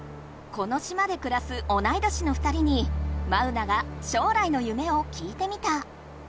この島でくらす同い年の２人にマウナが将来の夢を聞いてみた。